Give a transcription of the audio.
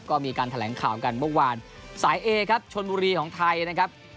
ก็มีการแถลงข่าวกันเมื่อวานสายเอครับชนบุรีของไทยนะครับ